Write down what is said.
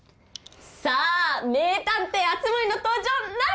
さあ名探偵熱護の登場なるか！？